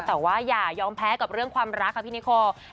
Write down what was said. แต่ว่าอย่ายอมแพ้กับเรื่องความรักค่ะพี่นิโค